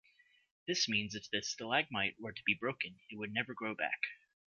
This means if the stalagmite were to be broken it would never grow back.